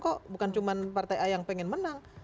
kok bukan cuma partai a yang pengen menang